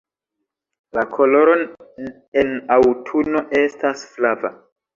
La koloro en aŭtuno estas flava.